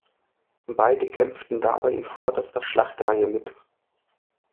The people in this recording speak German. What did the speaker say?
Beide kämpften dabei in vorderster Schlachtreihe mit.